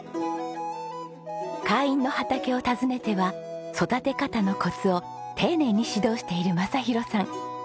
会員の畑を訪ねては育て方のコツを丁寧に指導している正博さん。